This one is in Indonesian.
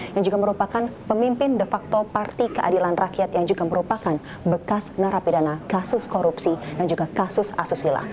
yang juga merupakan pemimpin de facto parti keadilan rakyat yang juga merupakan bekas narapidana kasus korupsi dan juga kasus asusila